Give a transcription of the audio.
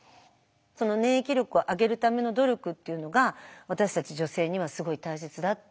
その粘液力を上げるための努力っていうのが私たち女性にはすごい大切だっていうふうに先生が言ってました。